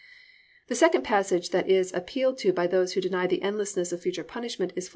2. The second passage that is appealed to by those who deny the endlessness of future punishment is Phil.